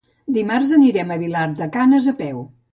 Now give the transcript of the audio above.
Dimarts anirem a Vilar de Canes a peu.